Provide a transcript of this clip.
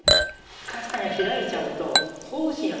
カサが開いちゃうと。